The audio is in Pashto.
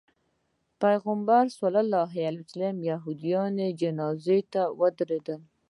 پیغمبر علیه السلام یهودي جنازې ته ودرېده.